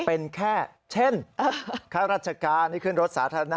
เป็นแค่เช่นข้าราชการที่ขึ้นรถสาธารณะ